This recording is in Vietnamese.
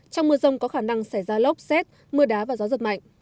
trong mưa rông có khả năng xảy ra lốc xét mưa đá và gió giật mạnh